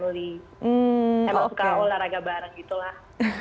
emang suka olahraga bareng gitu lah